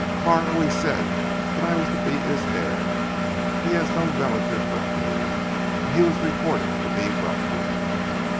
Carr always said that I was to be his heir. He has no relative but me, and he was reported to be wealthy."